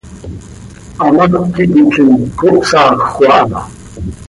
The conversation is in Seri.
Hamác ihpitlim, cohpsaahjöc aha.